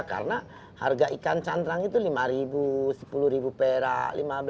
karena harga ikan cantrang itu lima sepuluh perak lima belas